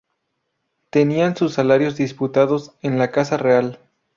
Tenían sus salarios diputados en la casa real.